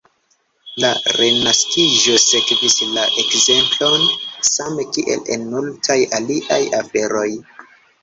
La Renaskiĝo sekvis la ekzemplon, same kiel en multaj aliaj aferoj.